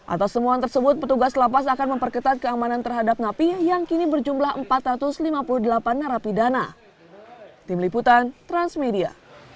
atas temuan tersebut petugas lapas akan memperketat keamanan terhadap napi yang kini berjumlah empat ratus lima puluh delapan narapidana